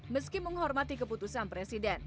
meski menghormati keputusan presiden